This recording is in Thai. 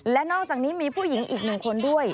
และนอกจากนี้มีผู้หญิงอีกหนึ่งคนด้วย